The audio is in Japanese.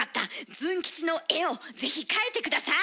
ズン吉の絵を是非描いて下さい！